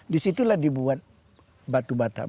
di situlah dibuat batu bata